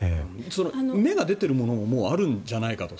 芽が出ているものももうあるんじゃないかと。